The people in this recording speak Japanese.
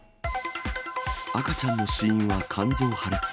赤ちゃんの死因は肝臓破裂。